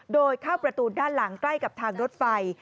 โดยเข้าประตูด้านหลังใกล้กับทางรถไฟ